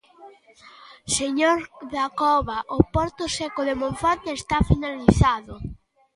Señor Dacova, o porto seco de Monforte está finalizado.